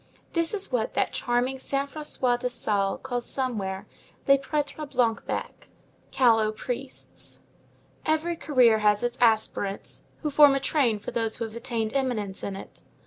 This is what that charming Saint François de Sales calls somewhere "les prêtres blancs becs," callow priests. Every career has its aspirants, who form a train for those who have attained eminence in it.